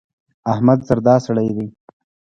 احمد زردا سړی دی.